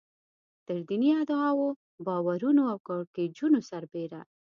تر دیني ادعاوو، باورونو او کړکېچونو سربېره.